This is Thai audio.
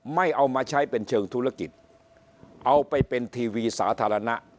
ไม่เอามาใช้เป็นเชิงธุรกิจเอาไปเป็นทีวีสาธารณะ